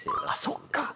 あそっか。